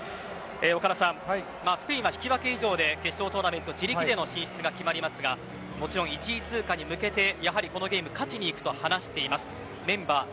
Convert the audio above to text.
岡田さん、スペインは引き分け以上で決勝トーナメント、自力での進出が決まりますがもちろん１位通過に向けてやはりこのゲーム勝ちにいくと話しています。